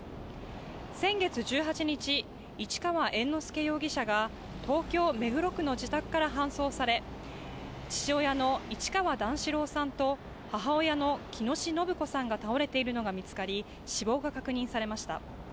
先月１８日、市川猿之助容疑者が東京・目黒の自宅から搬送され、父親の市川段四郎さんと母親の喜熨斗延子さんが倒れているのが見つかり、死亡が確認されました。